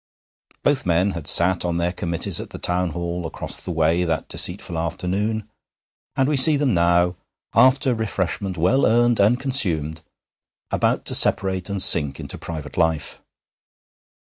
Both men had sat on their committees at the Town Hall across the way that deceitful afternoon, and we see them now, after refreshment well earned and consumed, about to separate and sink into private life.